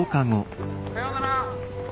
さようなら。